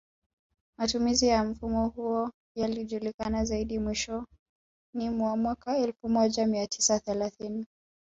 Matumizi ya mfumo huu yalijulikana zaidi mwishoni mwa mwaka elfu moja mia tisa thelathini